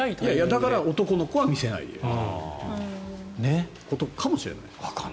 だから男の子は見せないでいるということかもしれない。